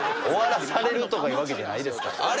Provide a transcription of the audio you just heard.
終わらされるとかいうわけじゃないですから。